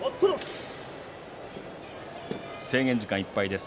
制限時間いっぱいです。